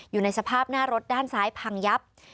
อยู่ในสภาพหน้ารถด้านซ้ายพังยับ